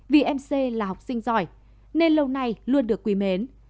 vì mc là học sinh giỏi nên lâu nay luôn được quý mến